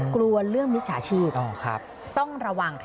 กลัวเรื่องมิจฉาชีพต้องระวัง